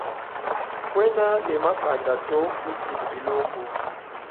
Kuena ne makanda to lekela bilumbu.